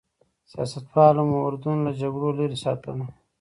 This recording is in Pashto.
سیاستوالو مو اردن له جګړو لرې ساتلی.